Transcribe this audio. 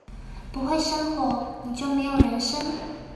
不會生活，你就沒有人生